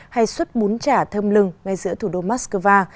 hay xuất bún chả thơm lừng ngay giữa thủ đô mắc cơ va